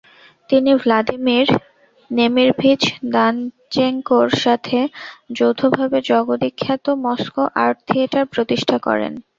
তিনি ভ্লাদিমির নেমিরভিচ-দানচেঙ্কোর সাথে যৌথভাবে জগদ্বিখ্যাত মস্কো আর্ট থিয়েটার প্রতিষ্ঠা করেন।